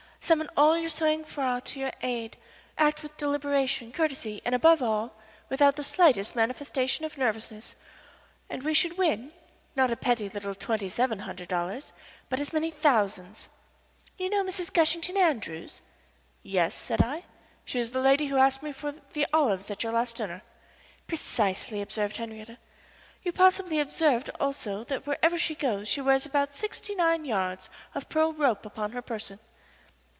"Summon all your sang froid to your aid; act with deliberation, courtesy, and, above all, without the slightest manifestation of nervousness, and we should win, not a petty little twenty seven hundred dollars, but as many thousands. You know Mrs. Gushington Andrews?" "Yes," said I. "She is the lady who asked me for the olives at your last dinner." "Precisely," observed Henriette. "You possibly observed also that wherever she goes she wears about sixty nine yards of pearl rope upon her person."